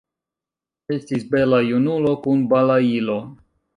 Estis bela junulo kun balailo.